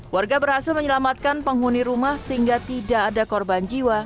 warga berhasil menyelamatkan penghuni rumah sehingga tidak ada korban jiwa